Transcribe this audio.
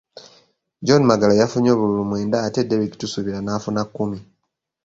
John Magalo yafunye obululu mwenda ate Derrick Tusubira n’afuna kkumi.